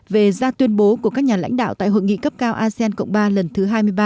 về ra tuyên bố của các nhà lãnh đạo tại hội nghị cấp cao asean cộng ba lần thứ hai mươi ba